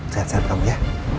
sehat sehat kamu ya